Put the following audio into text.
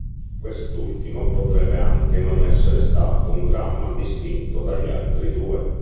Quest'ultimo potrebbe anche non essere stato un dramma distinto dagli altri due.